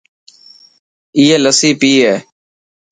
ائي لسي پئي هي.